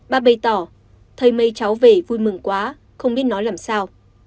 bà bày tỏ thầy mấy cháu về vui mừng quá không biết nói làm sao